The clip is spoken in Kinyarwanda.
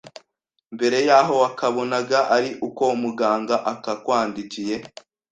Mbere yaho wakabonaga ari uko muganga akakwandikiye.